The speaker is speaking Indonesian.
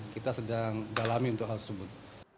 kita sedang dalami untuk hal tersebut